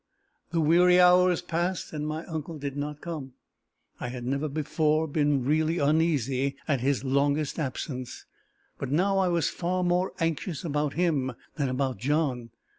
The weary hours passed, and my uncle did not come. I had never before been really uneasy at his longest absence; but now I was far more anxious about him than about John.